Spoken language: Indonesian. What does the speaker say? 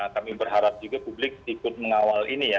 kami berharap juga publik ikut mengawal ini ya